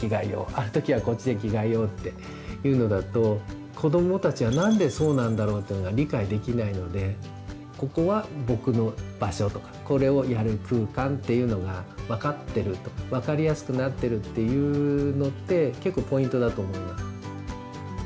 「ある時はこっちで着替えよう」っていうのだと子どもたちは「なんでそうなんだろう？」っていうのが理解できないので「ここは僕の場所」とか「これをやる空間」っていうのが分かってると分かりやすくなってるっていうのって結構ポイントだと思います。